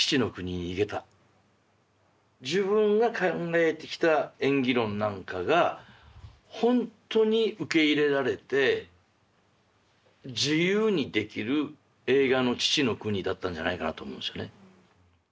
自分が考えてきた演技論なんかがほんとに受け入れられて自由にできる映画の父の国だったんじゃないかなと思うんですよね。